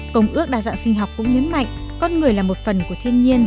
công ước đa dạng sinh học cũng nhấn mạnh con người là một phần của thiên nhiên